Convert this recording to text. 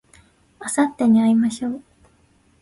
あさってに会いましょう